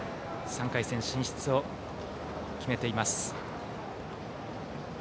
３回戦進出を決めています。